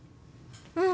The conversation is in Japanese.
うん。